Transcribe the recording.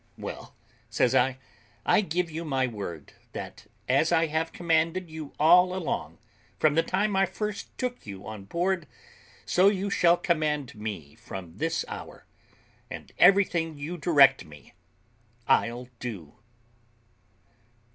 "Well," says I, "I give you my word, that as I have commanded you all along, from the time I first took you on board, so you shall command me from this hour, and everything you direct me I'll do."